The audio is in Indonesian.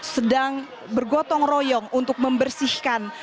sedang bergotong royong untuk membersihkan